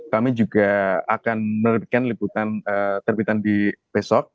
kami juga akan menerbitkan liputan terbitan di besok